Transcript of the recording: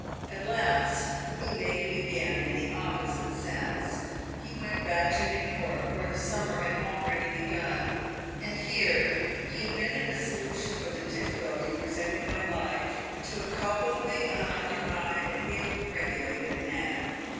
At last he made it again, in the opposite sense. He went back to New York, where the summer had already begun, and here he invented a solution for the difficulty presented by life to a culpably unoccupied and ill regulated man.